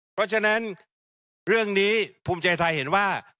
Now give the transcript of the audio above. เพราะฉะนั้นเรื่องนี้ภูมิใจไทยเห็นว่า